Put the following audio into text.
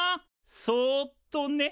そっとね。